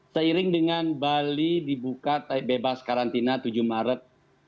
seiring dengan bali dibuka bebas karantina tujuh maret dua ribu dua puluh